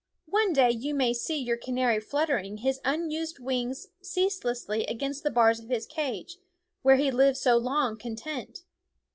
One day you may see your canary flutter ing his unused wings ceaselessly against the bars of his cage, where he lived so long con tent.